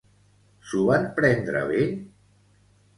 S'ho van prendre bé?